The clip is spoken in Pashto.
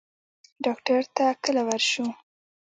ډاکټر ته کله ورشو؟